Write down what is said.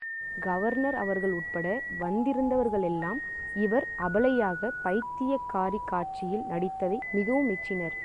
Governor அவர்கள் உட்பட வந்திருந்தவர்களெல்லாம், இவர் அபலையாக, பைத்தியக்காரிக் காட்சியில் நடித்ததை மிகவும் மெச்சினர்.